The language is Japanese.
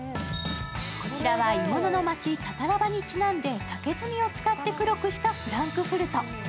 こちらは鋳物の街・たたら場にちなんで、竹炭を使って黒くしたフランクフルト。